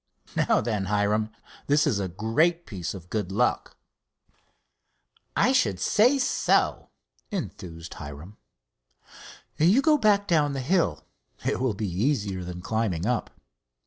Now then, Hiram, this is a great piece of good luck." "I should say so," enthused Hiram. "You go back down the hill—it will be easier than climbing up."